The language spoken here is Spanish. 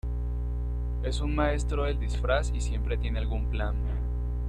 Es un maestro del disfraz y siempre tiene algún plan.